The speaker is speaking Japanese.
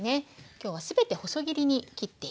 今日は全て細切りに切っていきます。